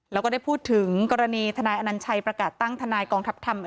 แล้วก็ได้พูดถึงกรณีทนายอนัญชัยประกาศตั้งทนายกองทัพธรรม